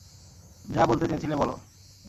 যা বলতে চেয়েছিলে বলো।